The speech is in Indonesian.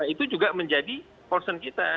itu juga menjadi concern kita